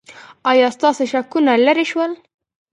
ایا ستاسو شکونه لرې شول؟